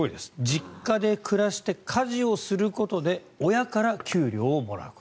実家で暮らして家事をすることで親から給料をもらう。